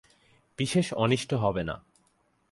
বিশেষ অনিষ্ট হবে না।